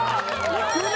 いくね！